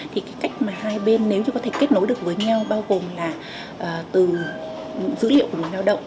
thì cái cách mà hai bên nếu như có thể kết nối được với nhau bao gồm là từ dữ liệu của người lao động